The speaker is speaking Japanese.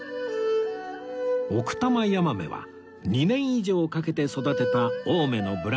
奥多摩やまめは２年以上かけて育てた青梅のブランド